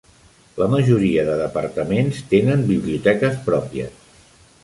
La majoria de departaments tenen biblioteques pròpies.